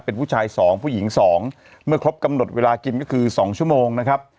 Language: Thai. เป็นผู้ชายสองผู้หญิงสองเมื่อครบกำหนดเวลากินก็คือ๒ชั่วโมงนะครับ